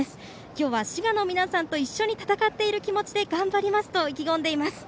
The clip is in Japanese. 今日は滋賀の皆さんと一緒に戦っている気持ちで頑張りますと意気込んでいます。